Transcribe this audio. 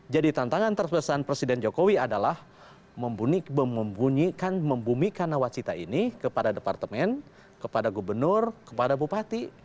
jadi tantangan terpesan presiden jokowi adalah membunyikan membumikan nawacita ini kepada departemen kepada gubernur kepada bupati